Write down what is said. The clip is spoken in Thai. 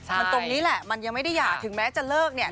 มันตรงนี้แหละมันยังไม่ได้หย่าถึงแม้จะเลิกเนี่ย